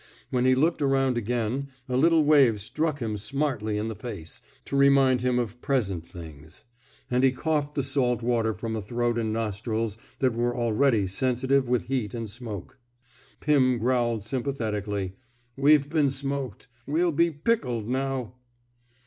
When he looked around again, a little wave struck him smartly in the face, to remind him of present things; and he coughed the salt water from a throat and nostrils that were already sensitive with heat and smoke. Pim growled, sympathetically: We've been smoked. We'll be pickled now."